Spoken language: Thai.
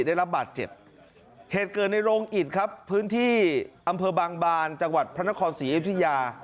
ได้รับบาดเจ็บเหตุเกิดในโรงอิดครับพื้นที่อำเภอบางบานจังหวัดพระนครศรีอยุธยา